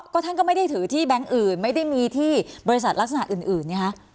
ก็ท่านก็ไม่ได้ถือที่แบงค์อื่นไม่ได้มีที่บริษัทลักษณะอื่นไงคะ